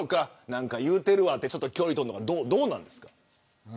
何か言うてるわって距離を取るのかどうなんですか。